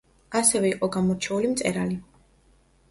ასევე იყო გამორჩეული მწერალი.